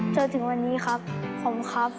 เจอถึงวันนี้ครับขอบคุณครับ